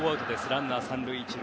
ランナー３塁１塁。